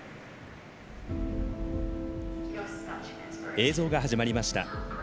映像が始まりました。